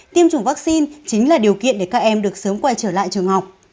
tiêm chủng vaccine chính là điều kiện để các em được sớm quay trở lại trường học